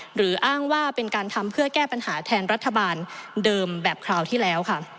หรืออ้างว่าเป็นการทำเพื่อแก้ปัญหาแทนรัฐบาลเดิมแบบคราวที่แล้วค่ะ